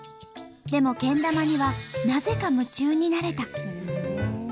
でもけん玉にはなぜか夢中になれた。